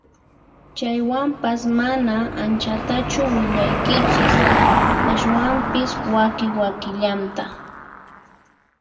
Chaywanpas mana anchatachu willaykichis ashwampis waki wakillanta